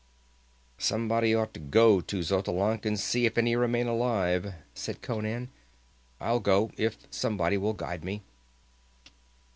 "Somebody ought to go to Xotalanc and see if any remain alive," said Conan. "I'll go if somebody will guide me."